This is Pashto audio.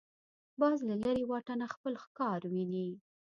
باز له لرې واټنه خپل ښکار ویني